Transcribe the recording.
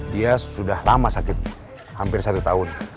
dia sudah lama sakit hampir satu tahun